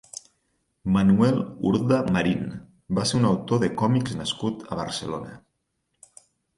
Manuel Urda Marín va ser un autor de còmics nascut a Barcelona.